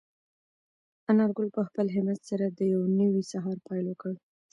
انارګل په خپل همت سره د یو نوي سهار پیل وکړ.